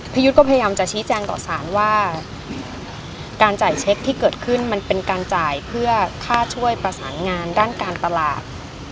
ยุทธก็พยายามจะชี้แจงต่อสารว่าการจ่ายเช็คที่เกิดขึ้นมันเป็นการจ่ายเพื่อค่าช่วยประสานงานด้านการตลาด